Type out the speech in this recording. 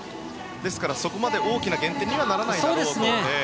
そこまで大きな減点にはならないだろうと。